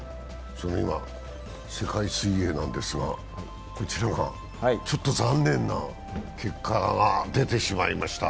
今世界水泳なんですが、ちょっと残念な結果が出てしまいました。